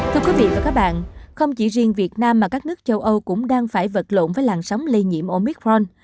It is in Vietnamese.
thưa quý vị và các bạn không chỉ riêng việt nam mà các nước châu âu cũng đang phải vật lộn với làn sóng lây nhiễm omicron